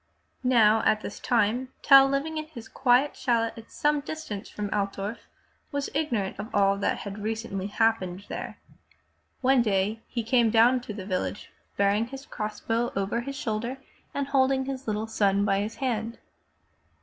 Now at this time Tell living in his quiet chalet at some distance 290 FROM THE TOWER WINDOW from Altdorf, was ignorant of all that had recently happened there. One day he came down to the village bearing his cross bow over his shoulder and holding his little son by his hand.